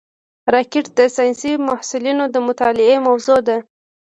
راکټ د ساینسي محصلینو د مطالعې موضوع ده